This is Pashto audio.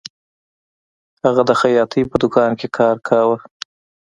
هغه د خیاطۍ په دکان کې کار کاوه